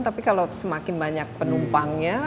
tapi kalau semakin banyak penumpangnya